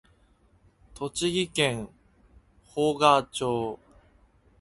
栃木県芳賀町